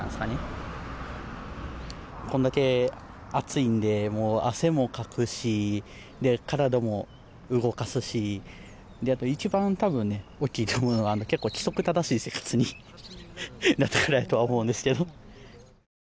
こんだけ暑いんで汗もかくし体も動かすしであと一番多分ね大きいと思うのは結構規則正しい生活になったからやとは思うんですけど。